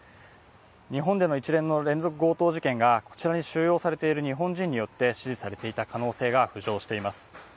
日本での一連の連続強盗事件が、こちらに収容されている日本人によって指示されていた可能性が浮上しています。